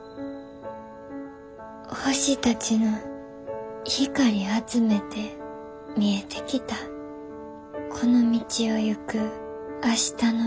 「星たちの光あつめて見えてきたこの道をいく明日の僕は」。